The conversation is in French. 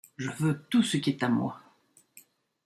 Je veux tout ce qui est à moi.